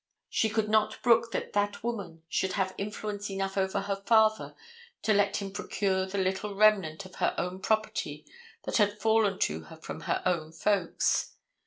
She could not brook that that woman should have influence enough over her father to let him procure the little remnant of her own property that had fallen to her from her own folks.